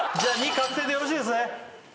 確定でよろしいですね？